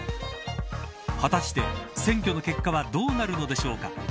果たして選挙の結果はどうなるのでしょうか。